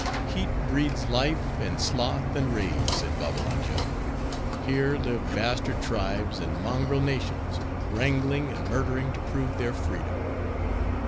"Heat breeds life, and sloth, and rage," said Babbalanja. "Here live bastard tribes and mongrel nations; wrangling and murdering to prove their freedom.